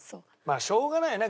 まあしょうがないよね。